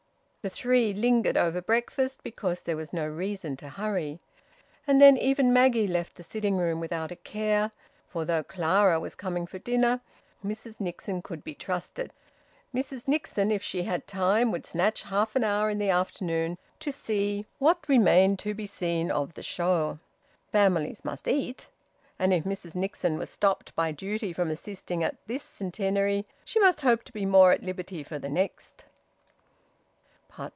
The three lingered over breakfast, because there was no reason to hurry. And then even Maggie left the sitting room without a care, for though Clara was coming for dinner Mrs Nixon could be trusted. Mrs Nixon, if she had time, would snatch half an hour in the afternoon to see what remained to be seen of the show. Families must eat. And if Mrs Nixon was stopped by duty from assisting at this Centenary, she must hope to be more at liberty for the next.